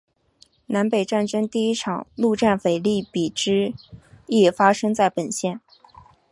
南北战争第一场陆战腓立比之役发生在本县。